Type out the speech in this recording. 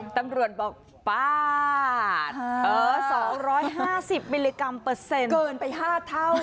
ตำรวจบอกป๊าดสองร้อยห้าสิบมิลลิกรัมเปอร์เซ็นต์เกินไปห้าเท่า